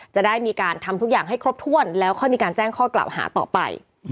จะได้มีการทำทุกอย่างให้ครบถ้วนแล้วค่อยมีการแจ้งข้อกล่าวหาต่อไป